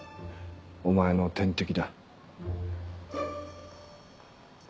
お前の天敵だ。